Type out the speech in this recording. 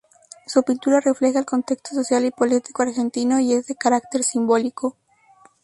Su pintura refleja el contexto social y político argentino y es de carácter simbólico.